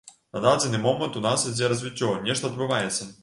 На дадзены момант у нас ідзе развіццё, нешта адбываецца.